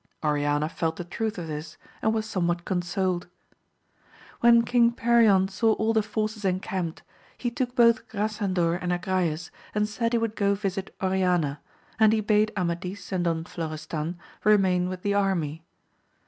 Oriana felt the truth of this, and was some what consoled. When King Perion saw all the forces encamped, he took both Grasandor and Agrayes and said he would go visit Oriana, and he bade Amadis and Don Flo restan remain with the army.